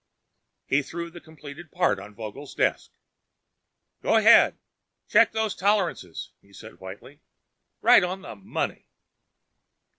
He threw the completed part on Vogel's desk. "Go ahead, check those tolerances," he said whitely. "Right on the money."